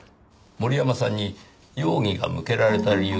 森山さんに容疑が向けられた理由はなんでしょう？